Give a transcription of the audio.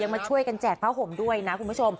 มาช่วยกันแจกผ้าห่มด้วยนะคุณผู้ชม